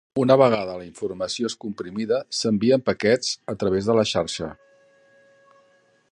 Una vegada la informació és comprimida, s'envia en paquets a través de la xarxa.